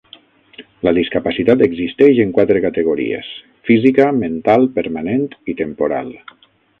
La discapacitat existeix en quatre categories: física, mental, permanent i temporal.